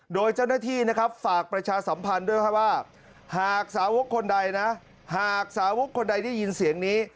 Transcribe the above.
โดยเจ้าหน้าที่ฝากประชาสัมพันธ์ด้วยว่าหากสาวกคนใดที่ยินเสียงนี้